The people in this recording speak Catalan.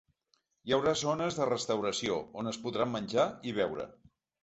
Hi haurà zones de restauració, on es podrà menjar i beure.